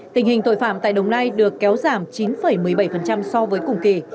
tình hình tội phạm tại đồng nai được kéo giảm chín một mươi bảy so với cùng kỳ